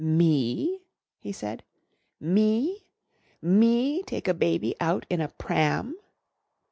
"Me?" he said. "Me? Me take a baby out in a pram?"